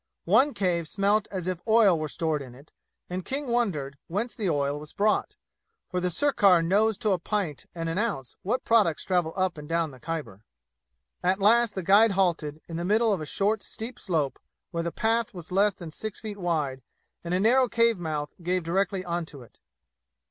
One cave smelt as if oil were stored in it, and King wondered whence the oil was brought for the sirkar knows to a pint and an ounce what products travel up and down the Khyber. At last the guide halted, in the middle of a short steep slope where the path was less than six feet wide and a narrow cave mouth gave directly on to it.